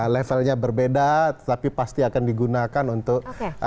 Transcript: levelnya berbeda tapi pasti akan digunakan untuk